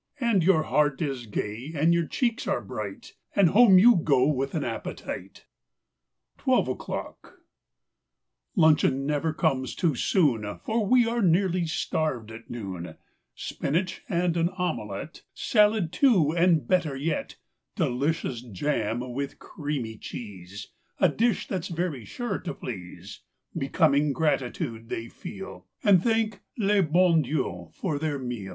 And your heart is gay and your cheeks are bright— And home you go with an appetite! 21 ELEVEN O'CLOCK 23 TWELVE O'CLOCK 1 UNCHEON never comes too soon, J Eor we are nearly starved at noon! Spinach and an omelette, Salad, too, and better yet Delicious jam with creamy cheese— A dish that's very sure to please! Becoming gratitude they feel. And thank le bon Dieii for their meal.